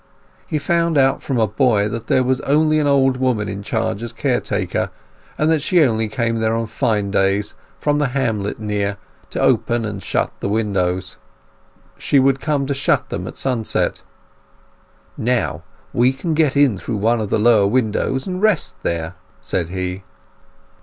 He had found out from a boy that there was only an old woman in charge as caretaker, and she only came there on fine days, from the hamlet near, to open and shut the windows. She would come to shut them at sunset. "Now, we can get in through one of the lower windows, and rest there," said he.